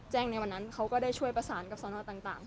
ในวันนั้นเขาก็ได้ช่วยประสานกับสนต่าง